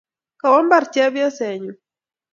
Kowo mbar chepyosenyu